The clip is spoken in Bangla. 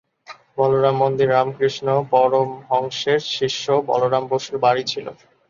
বলরাম মন্দির রামকৃষ্ণ পরমহংসের শিষ্য বলরাম বসুর বাড়ি ছিল।